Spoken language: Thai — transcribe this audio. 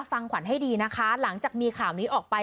ฟังขวัญให้ดีนะคะหลังจากมีข่าวนี้ออกไป